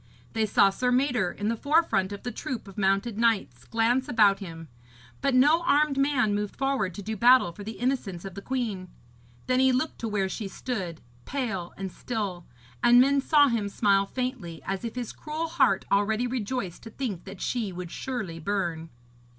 They saw Sir Mador, in the forefront of the troop of mounted knights, glance about him; but no armed man moved forward to do battle for the innocence of the queen. Then he looked to where she stood, pale and still, and men saw him smile faintly, as if his cruel heart already rejoiced to think that she would surely burn.